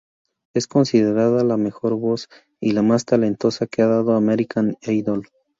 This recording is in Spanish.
Es considerada la mejor voz y la más talentosa que ha dado American Idol.